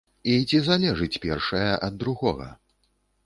І ці залежыць першае ад другога?